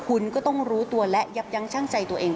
คุณก็ต้องรู้ตัวและยับยั้งชั่งใจตัวเอง